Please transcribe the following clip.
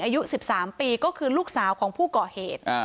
อายุ๑๓ปีก็คือลูกสาวของผู้ก่อเหตุ